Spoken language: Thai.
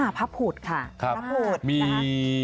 ภวรพุทธนะคะมี